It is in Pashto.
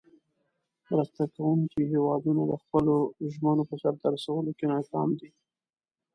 مرسته کوونکې هیوادونه د خپلو ژمنو په سر ته رسولو کې ناکام دي.